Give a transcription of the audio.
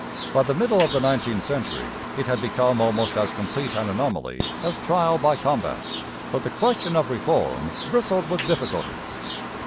By the middle of the nineteenth century it had become almost as complete an anomaly as trial by combat. But the question of reform bristled with difficulties.